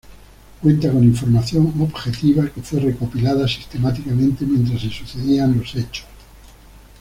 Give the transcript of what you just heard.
Cuenta con información objetiva, que fue recopilada sistemáticamente mientras se sucedían los hechos.